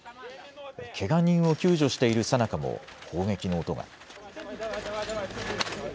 けが人を救助しているさなかも砲撃の音が。